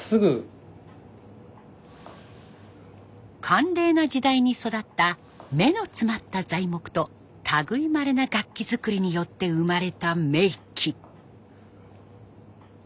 寒冷な時代に育った目の詰まった材木と類いまれな楽器作りによって生まれた名器。